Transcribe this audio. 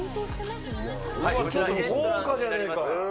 ちょっと豪華じゃねえか。